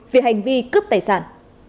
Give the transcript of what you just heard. vì hành vi cướp tài sản